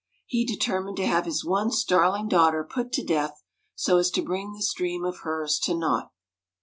He determined to have his once darling daughter put to death, so as to bring this dream of hers to naught.